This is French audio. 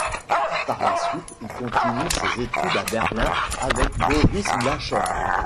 Par la suite, il continue ses études à Berlin avec Boris Blacher.